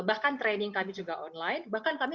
bahkan training kami juga online bahkan kami